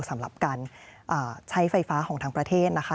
สำหรับการใช้ไฟฟ้าของทางประเทศนะคะ